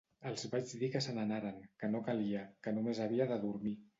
Els vaig dir que se n'anaren, que no calia, que només havia de dormir.